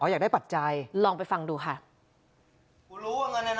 อ๋ออยากได้ปัจจัยลองไปฟังดูค่ะกูรู้ว่าเงินในนั้นอ่ะ